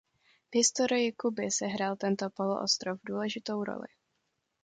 V historii Kuby sehrál tento poloostrov důležitou roli.